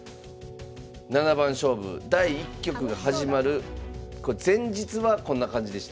七番勝負第１局が始まる前日はこんな感じでした。